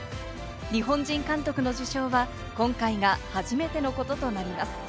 日本人監督の受賞は今回が初めてのこととなります。